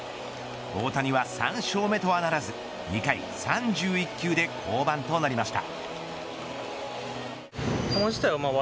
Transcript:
大谷は３勝目とはならず２回３１球で降板となりました。